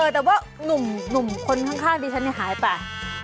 แต่ว่าหนุ่มคนข้างดิฉันหายไป